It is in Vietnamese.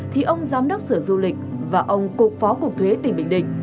thì ông giám đốc sở du lịch và ông cục phó cục thuế tỉnh bình định